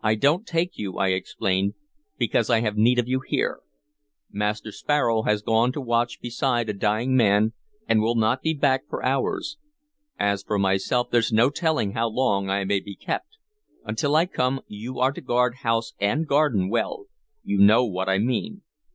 "I don't take you," I explained, "because I have need of you here. Master Sparrow has gone to watch beside a dying man, and will not be back for hours. As for myself, there's no telling how long I may be kept. Until I come you are to guard house and garden well. You know what I mean.